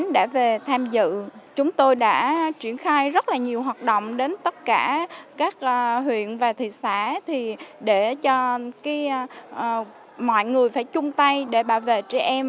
để về tham dự chúng tôi đã triển khai rất là nhiều hoạt động đến tất cả các huyện và thị xã để cho mọi người phải chung tay để bảo vệ trẻ em